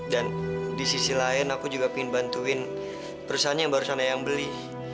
dan di sisi lain aku juga ingin bantuin perusahaan yang baru sana ayang beli